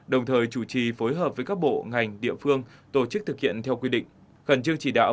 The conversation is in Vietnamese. đồng thời chủ trì phối hợp với các bộ ngành địa phương tổ chức thực hiện theo quy định khẩn trương chỉ đạo